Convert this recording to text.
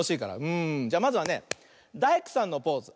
じゃまずはね「だいくさん」のポーズ。